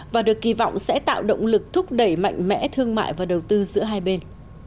và được kỳ vọng sẽ tạo động lực thúc đẩy mạnh mẽ thương mại và đầu tư giữa hai bên